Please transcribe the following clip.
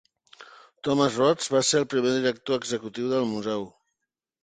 Thomas Rhoads va ser el primer director executiu del Museu.